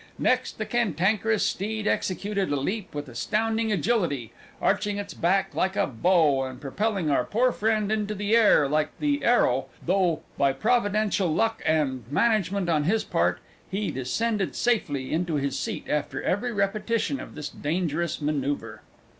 Next, the cantankerous steed executed a leap with astounding agility, arching its back like a bow, and propelling our poor friend into the air like the arrow, though by providential luck and management on his part he descended safely into his seat after every repetition of this dangerous manoeuvre.